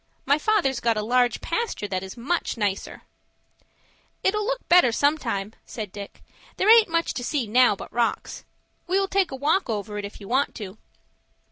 My father's got a large pasture that is much nicer." "It'll look better some time," said Dick. "There aint much to see now but rocks. We will take a walk over it if you want to."